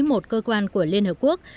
một cơ quan của liên hợp quốc